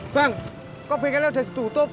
bang kok bengkelnya sudah ditutup